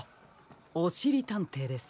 おしりたんていです。